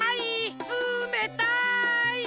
つめたい！